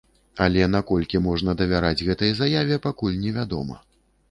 Але наколькі можна давяраць гэтай заяве, пакуль невядома.